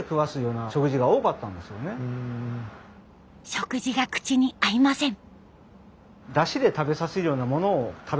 食事が口に合いません。